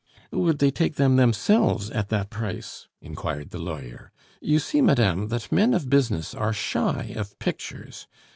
"Would they take them themselves at that price?" inquired the lawyer. "You see, madame, that men of business are shy of pictures.